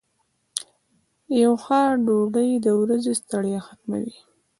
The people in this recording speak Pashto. یو ښه ډوډۍ د ورځې ستړیا ختموي.